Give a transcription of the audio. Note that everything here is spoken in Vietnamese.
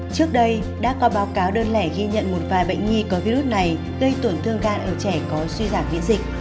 trước đây đã có báo cáo đơn lẻ ghi nhận một vài bệnh nhi có virus này gây tổn thương gan ở trẻ có suy giảm miễn dịch